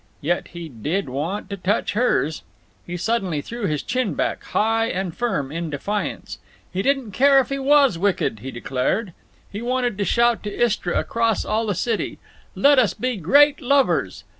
Yet he did want to touch hers. He suddenly threw his chin back, high and firm, in defiance. He didn't care if he was wicked, he declared. He wanted to shout to Istra across all the city: Let us be great lovers!